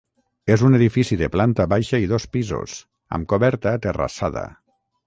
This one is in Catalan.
És un edifici de planta baixa i dos pisos, amb coberta terrassada.